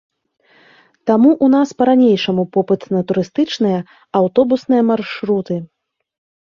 Таму ў нас па-ранейшаму попыт на турыстычныя аўтобусныя маршруты.